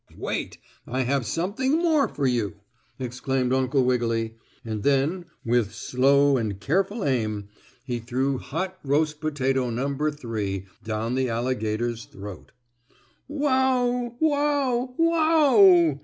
"Wait! I have something more for you!" exclaimed Uncle Wiggily, and then with slow and careful aim, he threw hot roast potato number three down the alligator's throat. "Wow! Wow! Wow!"